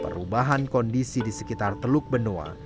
perubahan kondisi di sekitar teluk benoa